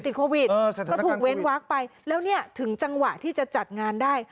ติดโควิดก็ถูกเว้นวักไปแล้วเนี่ยถึงจังหวะที่จะจัดงานได้